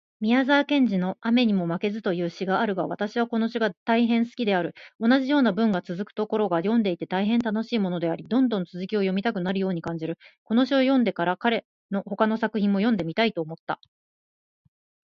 宮沢賢治のアメニモマケズという詩があるが私はこの詩が大変好きである。同じような文がつづくところが読んでいて大変楽しいものであり、どんどん続きを読みたくなるように感じる。この詩を読んでから、彼の他の作品も読んでみたいと思った。